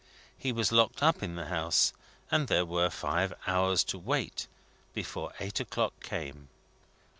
He was locked up in the house, and there were five hours to wait before eight o'clock came.